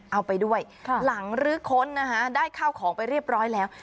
เอาไปด้วยหลังลื้อค้นนะฮะได้ข้าวของไปเรียบร้อยแล้ว